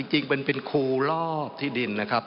จริงเป็นครูรอบที่ดินนะครับ